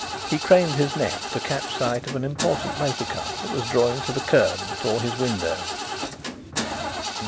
He craned his neck to catch sight of an important motor car that was drawing to the kerb before his window.